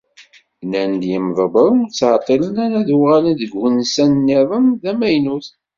Nnan-d yimḍebbren ur ttɛeṭṭilen ara ad d-uɣalen deg ugensa-nniḍen d amaynut.